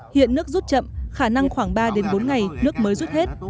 hiện nước rút chậm khả năng khoảng ba bốn ngày nước mới rút hết